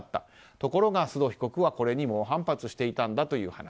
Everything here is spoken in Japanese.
ところが、須藤被告はこれに猛反発していたんだという話。